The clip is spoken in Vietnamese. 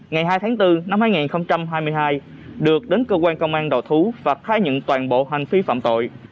ngày hai tháng bốn năm hai nghìn hai mươi hai được đến cơ quan công an đầu thú và khai nhận toàn bộ hành vi phạm tội